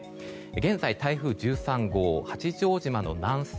現在台風１３号、八丈島の南西